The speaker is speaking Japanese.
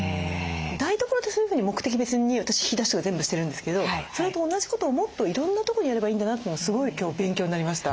台所ってそういうふうに目的別に私引き出しとか全部してるんですけどそれと同じことをもっといろんなとこにやればいいんだなってすごい今日勉強になりました。